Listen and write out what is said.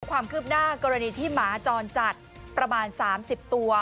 ความคืบหน้ากรณีที่หมาจรจัดประมาณ๓๐ตัว